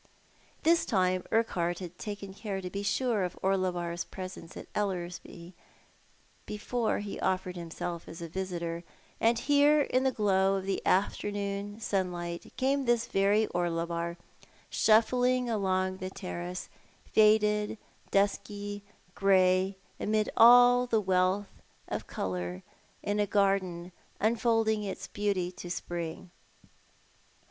This time Urquhart had taken care to be sure of Oneoar's presence at Ellerslic before he ofiFercd himself as a visitor; and here in the glow of the afternoon sunlight came this very Orlebar, shuffling along the terrace, faded, dusky, grey amidst all the wealth of colour in a garden unfolding its beauty to the spring.